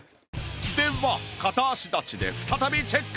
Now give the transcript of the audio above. では片足立ちで再びチェック！